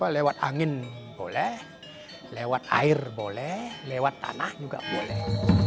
lewat angin boleh lewat air boleh lewat tanah juga boleh